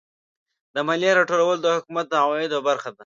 د مالیې راټولول د حکومت د عوایدو برخه ده.